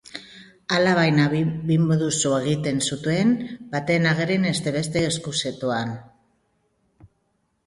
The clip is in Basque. Alabaina, bi bizimodu egiten zituen, bata agerian eta beste ezkutuan.